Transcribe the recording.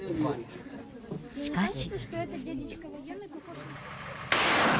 しかし。